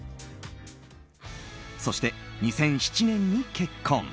そして、２００７年に結婚。